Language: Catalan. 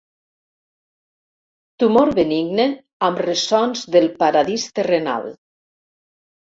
Tumor benigne amb ressons del paradís terrenal.